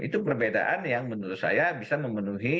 itu perbedaan yang menurut saya bisa memenuhi